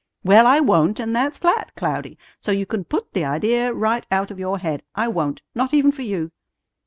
"Well, I won't, and that's flat, Cloudy; so you can put the idea right out of your head. I won't, not even for you.